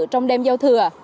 trong đêm giao thừa